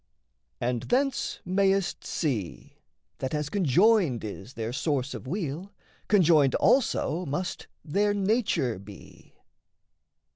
And thence mayst see That, as conjoined is their source of weal, Conjoined also must their nature be.